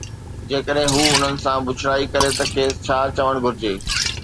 جيڪڏھن ھو انھن سان بڇڙائي ڪري تہ کيس ڇا چوڻ گھرجي؟